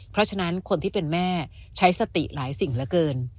เพราะฉะนั้นคนที่เป็นแม่ใช้สติหลายสิ่งเหลือเกิน